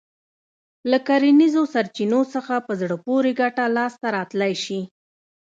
له کرنیزو سرچينو څخه په زړه پورې ګټه لاسته راتلای شي.